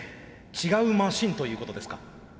違うマシンということですか？